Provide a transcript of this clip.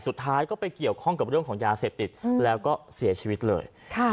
สุดท้ายก็ไปเกี่ยวข้องกับเรื่องของยาเสพติดแล้วก็เสียชีวิตเลย